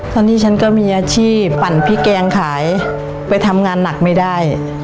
ตอนนี้ฉันก็มีอาชีพปั่นพริกแกงขายไปทำงานหนักไม่ได้